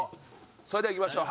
それではいきましょう。